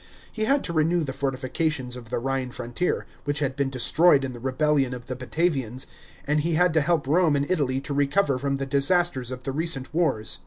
He had to renew the fortifications of the Ehine frontier, which had been destroyed in the rebellion of the Batavians, and he had to help Rome and Italy to recover from the disasters of the recent wars.